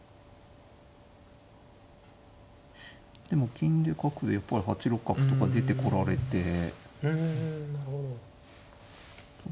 でも金で角でやっぱり８六角とか出てこられて。